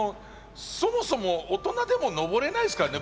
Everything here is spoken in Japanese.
そもそも大人でも登れないですからね